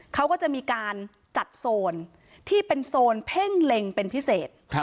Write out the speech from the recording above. เขาก็จะมีการจัดโซนที่เป็นโซนเพ่งเล็งเป็นพิเศษ